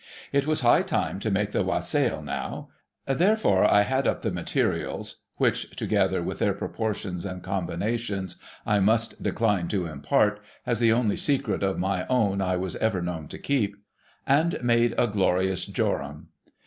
It was high time to make the Wassail now ; therefore I had up the materials (which, together with their proportions and combi nations, I must decline to impart, as the only secret of my own I was ever known to keep), and made a glorious jorum.